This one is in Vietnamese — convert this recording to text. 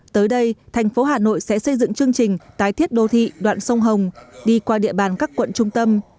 tới đây thành phố hà nội sẽ xây dựng chương trình tái thiết đô thị đoạn sông hồng đi qua địa bàn các quận trung tâm